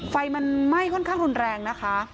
ไฟมันไหม้ค่อนข้างรุนแรงนะคะ